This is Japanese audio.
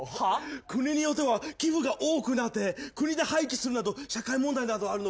国によっては寄付が多くなって国で廃棄するなど社会問題などあるのご存じですか？